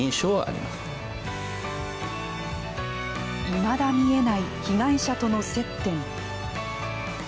いまだ見えない被害者との接点。